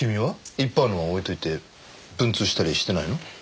一般論はおいといて文通したりしてないの？